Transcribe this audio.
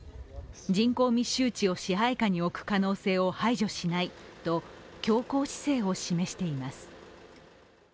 人口密集地を支配下に置く可能性を排除しないと強硬姿勢を示しています。